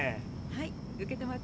はい。